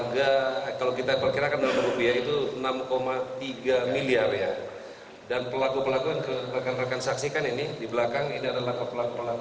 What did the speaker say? jika tidak meng enduremkan penyelamatan pemenel dan pemilik solamente di bahkan sebagian besar miliar rupiah pipes